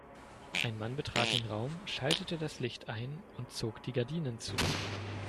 Ein Mann betrat den Raum, schaltete das Licht ein und zog die Gardinen zu.